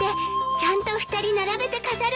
ちゃんと二人並べて飾るからね。